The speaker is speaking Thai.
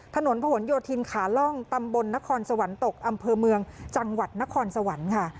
ถนนผนโยธินขาล่องตำบลนครสวรรค์ตกอำเภอเมืองจังหวัดนครสวรรค์ค่ะ